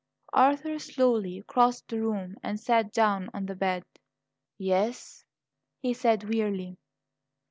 Arthur slowly crossed the room and sat down on the bed. "Yes?" he said wearily.